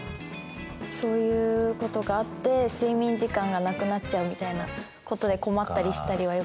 そういうことがあって睡眠時間がなくなっちゃうみたいなことで困ったりしたりはよくあります。